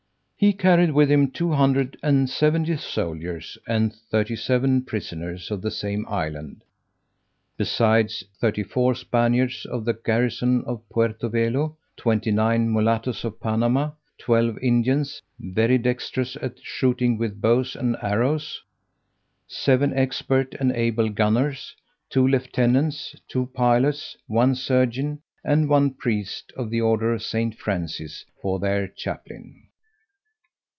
He carried with him two hundred and seventy soldiers, and thirty seven prisoners of the same island, besides thirty four Spaniards of the garrison of Puerto Velo, twenty nine mulattoes of Panama, twelve Indians, very dextrous at shooting with bows and arrows, seven expert and able gunners, two lieutenants, two pilots, one surgeon, and one priest, of the order of St. Francis, for their chaplain.